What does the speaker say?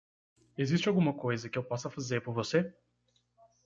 Existe alguma coisa que eu possa fazer por você?